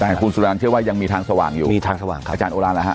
แต่คุณสุรานเชื่อว่ายังมีทางสว่างอยู่มีทางสว่างค่ะอาจารย์โอลานแล้วฮ